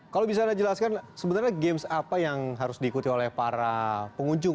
kalau bisa anda jelaskan sebenarnya games apa yang harus diikuti oleh para pengunjung